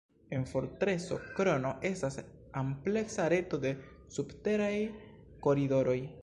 En fortreso Krono estas ampleksa reto de subteraj koridoroj.